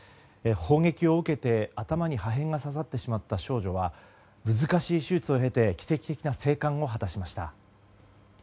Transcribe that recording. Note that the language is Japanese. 砲撃を受けて、頭に破片が刺さってしまった少女は難しい手術を経て奇跡的な生還を果たしました。